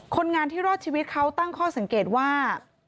คนงานที่รอดชีวิตเขาตั้งข้อสังเกตว่า